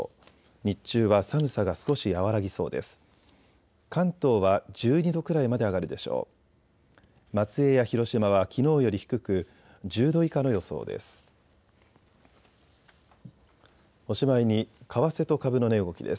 日中は寒さが少し和らぎそうです。